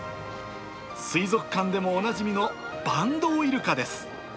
水族館でもおなじみのバンドウイルカです。